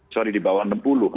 sorry di bawah enam puluh